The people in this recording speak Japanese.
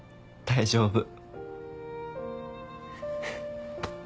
大丈夫。